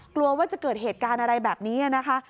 กลัวว่าจะเกิดเหตุการณ์อะไรแบบนี้นะคะ